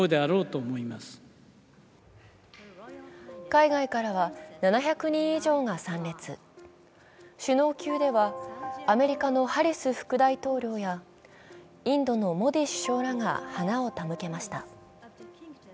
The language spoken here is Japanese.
海外からは７００人以上が参列首脳級では、アメリカのハリス副大統領やインドのモディ首相らが花を手向けました。